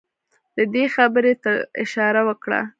ده دې خبرې ته اشاره وکړه.